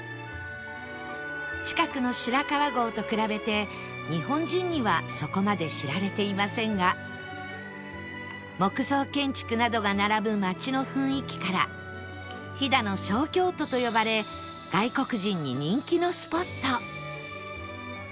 近くの白川郷と比べて日本人にはそこまで知られていませんが木造建築などが並ぶ町の雰囲気から「飛騨の小京都」と呼ばれ外国人に人気のスポット